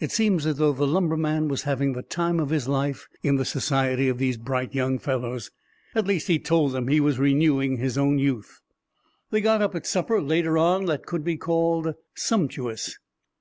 It seemed as though the lumberman was having the time of his life in the society of these bright young fellows. At least, he told them he was renewing his own youth. They got up a supper later on that could be called sumptuous.